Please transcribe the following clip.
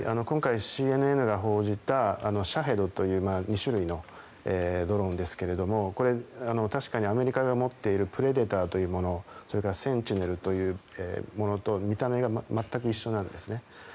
今回、ＣＮＮが報じたシャヘドという２種類のドローンですがこれ確かにアメリカが持っているプレデターというものそれからセンチネルというものと見た目が全く一緒なんですね。